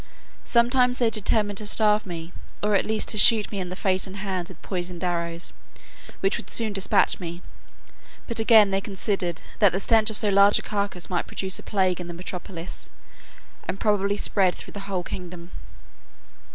Sometimes they determined to starve me; or at least to shoot me in the face and hands with poisoned arrows, which would soon despatch me; but again they considered, that the stench of so large a carcass might produce a plague in the metropolis, and probably spread through the whole kingdom.